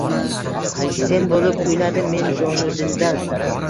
Sen bo’lib kuyladim men jonudildan.